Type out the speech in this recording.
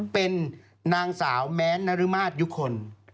เป็นนางสาวแม้นนรมาศยุคล